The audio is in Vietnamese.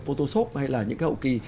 photoshop hay là những hậu kì